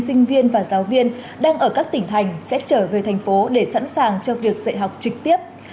sinh viên và giáo viên đang ở các tỉnh thành sẽ trở về thành phố để sẵn sàng cho việc dạy học trực tiếp